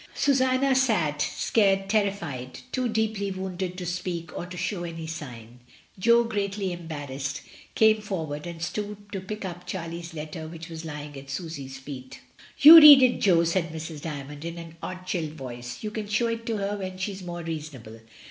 Susanna sat, scared, terrified, too deeply wounded to spealc'.or tO show any sign. Jo, greatly embar Il6 MRS. DYMOND. rassed, came forward and stooped to pick up Charlie's letter which was lying at Sus/s feet "Yes, read it, Jo," said Mrs. Dymond, in an odd chill voice. "You can show it to her when she is more reasonable.